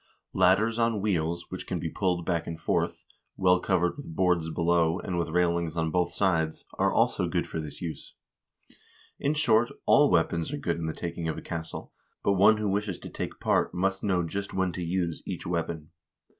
Ladders on wheels, which can be pulled back and forth, well covered with boards below, and with railings on both sides, are also good for this use. In short, all weapons are good in the taking of a castle, but one who wishes to take part must know just when to use each weapon.